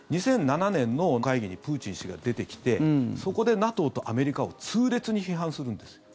２００７年の会議にプーチン氏が出てきてそこでＮＡＴＯとアメリカを痛烈に批判するんです。